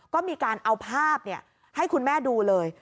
ก็มีการเอาภาพให้คุณแม่ดูเลย